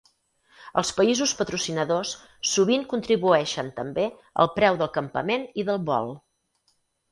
Els països patrocinadors sovint contribueixen també al preu del campament i del vol.